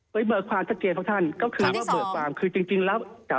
ไปเบิกความทักเจนพระท่านก็คือเบิกความคือจริงแล้ว